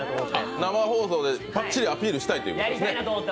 生放送でバッチリアピールしたいということですね。